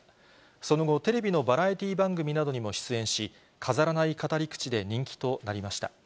その後、テレビのバラエティー番組などにも出演し、飾らない語り口で人気となりました。